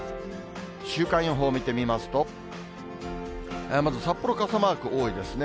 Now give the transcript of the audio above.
週間予報を見てみますと、まず札幌、傘マーク多いですね。